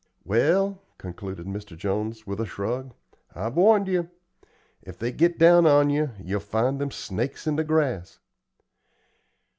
"Well," concluded Mr. Jones, with a shrug, "I've warned you, if they git down on yer, yer'll find 'em snakes in the grass."